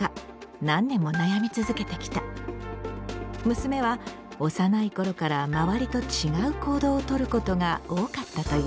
娘は幼い頃から周りと違う行動をとることが多かったという。